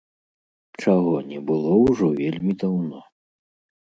Чаго не было ўжо вельмі даўно.